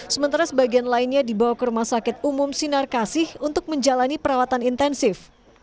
sementara sebagian lainnya dibawa ke rumah sakit umum sinar kasih untuk menjalani perawatan intensif